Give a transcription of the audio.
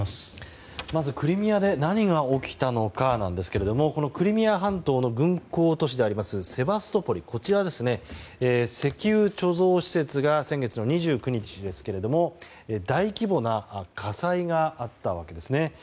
まずクリミアで何が起きたのかなんですがクリミア半島の軍港都市でありますセバストポリに石油貯蔵施設が先月２９日、大規模な火災があったわけですね。